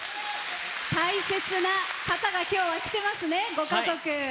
大切な方が今日は来てますね、ご家族。